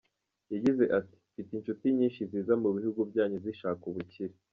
Yagize ati “Mfite inshuti nyinshi ziza mu bihugu byanyu zishaka ubukire.